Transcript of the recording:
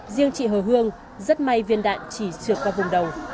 riêng chị hờ hương rất may viên đạn chỉ trượt qua vùng đầu